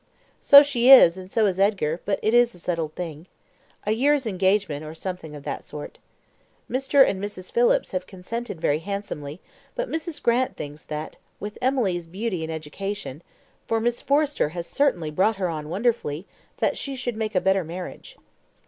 "So she is, and so is Edgar; but it is a settled thing. A year's engagement or something of that sort. Mr. and Mrs. Phillips have consented very handsomely, but Mrs. Grant thinks that, with Emily's beauty and education (for Miss Forrester has certainly brought her on wonderfully), she should make a better marriage."